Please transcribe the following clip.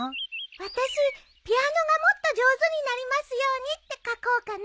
私「ピアノがもっと上手になりますように」って書こうかな。